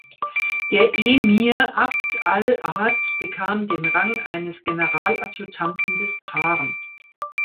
Der Emir Abd al-Ahad bekam den Rang eines Generaladjutanten des Zaren.